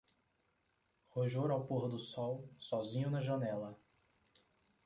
Rojor ao pôr do sol, sozinho na janela.